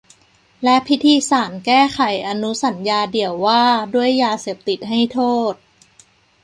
และพิธีสารแก้ไขอนุสัญญาเดี่ยวว่าด้วยยาเสพติดให้โทษ